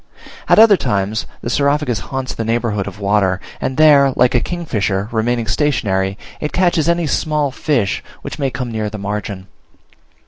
At other times the Saurophagus haunts the neighbourhood of water, and there, like a kingfisher, remaining stationary, it catches any small fish which may come near the margin.